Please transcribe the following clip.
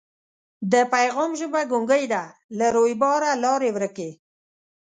د پیغام ژبه ګونګۍ ده له رویباره لاري ورکي